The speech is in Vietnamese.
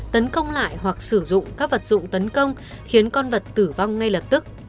tấn công lại hoặc sử dụng các vật dụng tấn công khiến con vật tử vong ngay lập tức